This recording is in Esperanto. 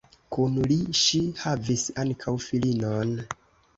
Kun li ŝi havis ankaŭ filinon.